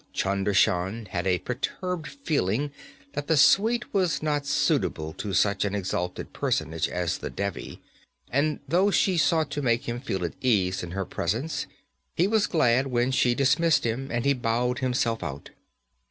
Chunder Shan had a perturbed feeling that the suite was not suitable to such an exalted personage as the Devi, and though she sought to make him feel at ease in her presence, he was glad when she dismissed him and he bowed himself out.